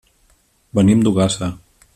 Venim d'Ogassa.